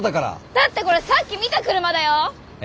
だってこれさっき見た車だよ？